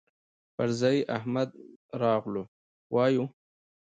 پر ځاى احمد راغلهووايو